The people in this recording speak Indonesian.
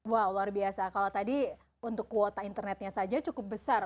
wah luar biasa kalau tadi untuk kuota internetnya saja cukup besar